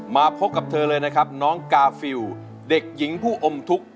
มาพบกับเธอเลยนะครับน้องกาฟิลเด็กหญิงผู้อมทุกข์